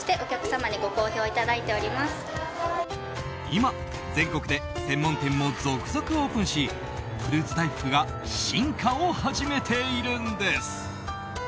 今、全国で専門店も続々オープンしフルーツ大福が進化を始めているんです。